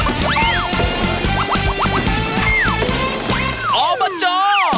ตอบอย่างนี้ตายตายเลยโอ้โฮ